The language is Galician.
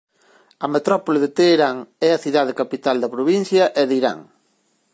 A metrópole de Teherán é a cidade capital da provincia e de Irán.